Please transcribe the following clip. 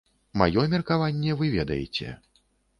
Маё меркаванне вы ведаеце.